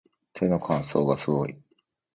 手の乾燥がすごい